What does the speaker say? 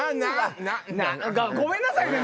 ごめんなさいね。